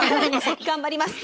頑張ります。